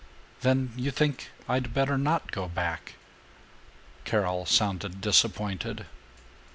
"Then you think I'd better not go back?" Carol sounded disappointed.